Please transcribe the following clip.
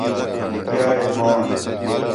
ڳِیا ہِے دھن٘وݨ